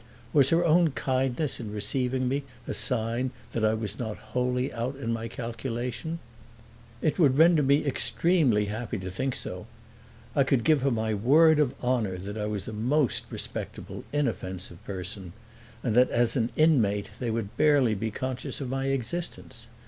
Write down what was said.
Was her own kindness in receiving me a sign that I was not wholly out in my calculation? It would render me extremely happy to think so. I could give her my word of honor that I was a most respectable, inoffensive person and that as an inmate they would be barely conscious of my existence.